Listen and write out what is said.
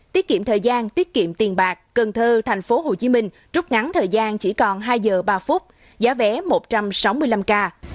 tiết kiệm thời gian tiết kiệm tiền bạc cần thơ tp hcm rút ngắn thời gian chỉ còn hai giờ ba phút giá vé một trăm sáu mươi năm k